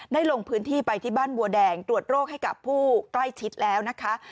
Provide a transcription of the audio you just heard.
ลงพื้นที่ไปที่บ้านบัวแดงตรวจโรคให้กับผู้ใกล้ชิดแล้วนะคะ